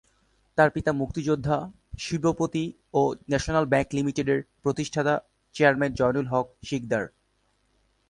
তার পিতা মুক্তিযোদ্ধা, শিল্পপতি ও ন্যাশনাল ব্যাংক লিমিটেডের প্রতিষ্ঠাতা চেয়ারম্যান জয়নুল হক সিকদার।